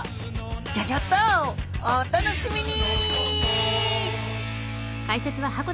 ギョギョッとお楽しみに！